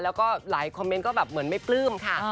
แล้วก็หลายคอมเมนต์ก็แบบเหมือนไม่ปลื้มค่ะ